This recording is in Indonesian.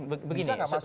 bisa nggak masuk ke mana